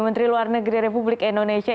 menteri luar negeri republik indonesia